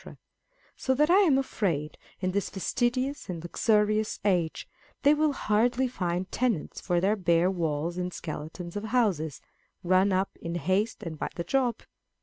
so that I am afraid, in this fastidious and luxurious age, they will hardly find tenants for their bare walls and skeletons of houses, run up in haste and by the job.